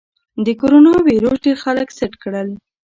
د کرونا ویروس ډېر خلک سټ کړل.